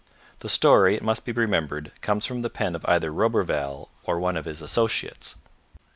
The story, it must be remembered, comes from the pen of either Roberval or one of his associates.